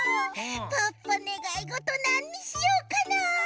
ポッポねがいごとなんにしようかなあ？